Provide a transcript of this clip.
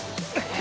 え